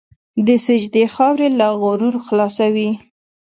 د سجدې خاورې له غرور خلاصوي.